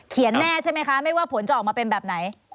แน่ใช่ไหมคะไม่ว่าผลจะออกมาเป็นแบบไหน